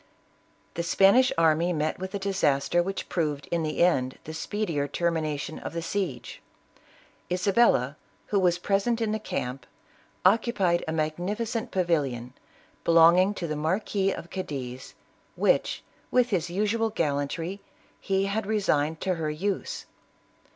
The Spanish army met with a disaster which proved in the end the speedier termination of the siege. Isa bella, who was present in the camp, occupied a mag nificent pavilion, belonging to the Marquis of Cadiz, which, with his usual gallantry, he had resigned to her use.